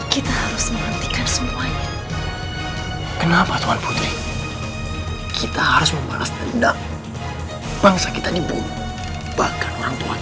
kyknya ada orang pun